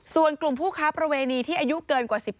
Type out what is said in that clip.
ส่วนกลุ่มผู้ค้าประเวณีที่อายุเกินกว่า๑๘